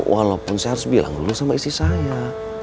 walaupun saya harus bilang dulu sama istri saya